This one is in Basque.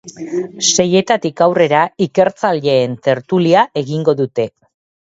Seietatik aurrera ikertzaileen tertulia egingo dute.